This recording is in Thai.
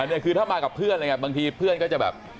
อันนี้คือถ้ามากับเพื่อนบางทีเพื่อนก็จะแบบ